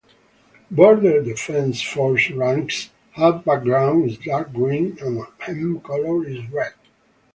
Border Defense Force's ranks have background is dark-green and hem colour is red.